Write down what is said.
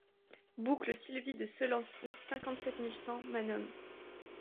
Boucle Sylvie de Selancy, cinquante-sept mille cent Manom